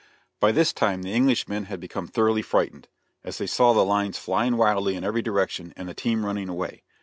By this time the Englishmen had become thoroughly frightened, as they saw the lines flying wildly in every direction and the team running away.